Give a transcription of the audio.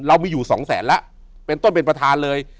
เรามีอยู่สองแสนแล้วเป็นต้นเป็นประธานเลย